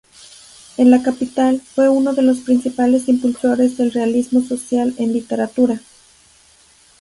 En la capital, fue uno de los principales impulsores del Realismo Social en literatura.